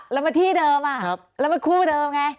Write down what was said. แล้วมาที่เดิมแล้วมันคู่เดิมไง